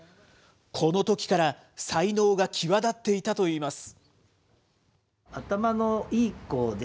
このときから才能が際立っていたといいます。